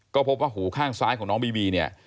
ก็พบว่าหูข้างซ้ายของน้องบีบีเนี่ย